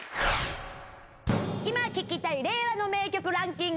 今聴きたい令和の名曲ランキング